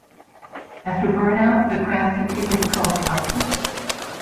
After burn-out the craft continued to coast upwards.